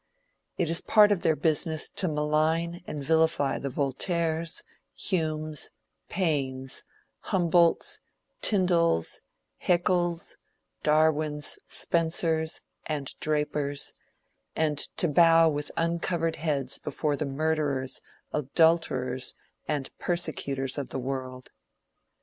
It is a part of their business to malign and vilify the Voltaires, Humes, Paines, Humboldts, Tyndals, Hæckels, Darwins, Spencers, and Drapers, and to bow with uncovered heads before the murderers, adulterers, and persecutors of the world.